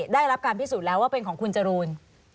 ได้รับการพิสูจน์แล้วว่าเป็นของคุณจรูน